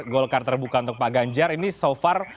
golkar terbuka untuk pak ganjar ini so far